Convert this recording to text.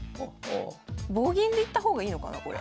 棒銀でいった方がいいのかなこれ。